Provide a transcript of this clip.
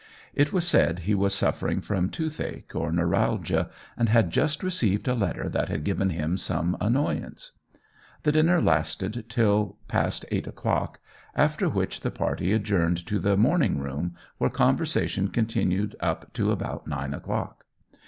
It was said he was suffering from toothache or neuralgia, and had just received a letter that had given him some annoyance. The dinner lasted till past eight o'clock, after which the party adjourned to the morning room, where conversation continued up to about nine o'clock.